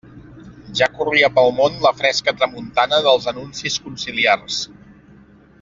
Ja corria pel món la fresca tramuntana dels anuncis conciliars.